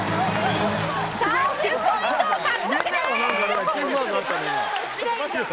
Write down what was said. ３０ポイント獲得です。